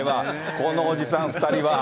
このおじさん２人は。